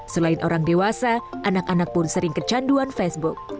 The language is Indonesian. selain orang dewasa anak anak pun sering kecanduan facebook